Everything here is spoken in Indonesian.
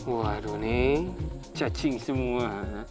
waduh nih cacing semua